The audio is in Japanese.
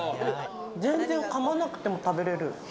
全然かまなくても食べれる。